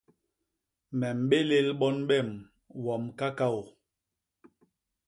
Me mbélél bon bem wom kakaô.